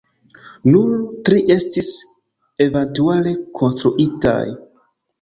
Nur tri estis eventuale konstruitaj.